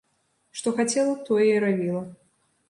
Што хацела, тое і рабіла.